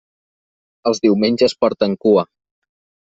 Els diumenges porten cua.